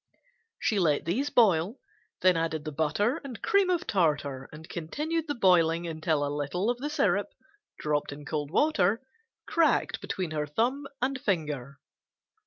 She let these boil, then added the butter and cream of tartar and continued the boiling until a little of the syrup, dropped in cold water, cracked between her thumb and finger.